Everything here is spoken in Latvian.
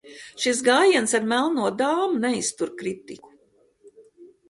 Šis gājiens ar melno dāmu neiztur kritiku.